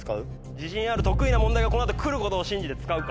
自信ある得意な問題がこの後来ることを信じて使うか。